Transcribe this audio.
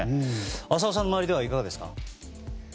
浅尾さんの周りはいかがですか。